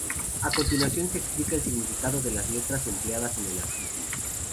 A continuación se explicita el significado de las siglas empleadas en el artículo.